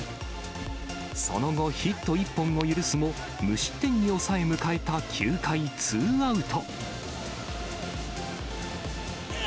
その後、ヒット１本を許すも、無失点に抑え、迎えた９回ツーアウト。